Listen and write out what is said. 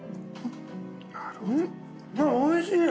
おいしい。